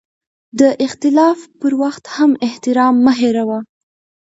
د اختلاف پر وخت هم احترام مه هېروه.